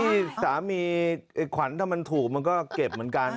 นี่สามีไอ้ขวัญถ้ามันถูกมันก็เก็บเหมือนกัน